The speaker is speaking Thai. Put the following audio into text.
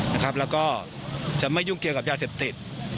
แล้วก็จะไม่ยุ่งเกี่ยวกับยาเสพติด